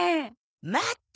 待って。